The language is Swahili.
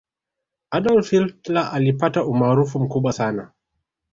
adolf hitler alipata umaarufu mkubwa sana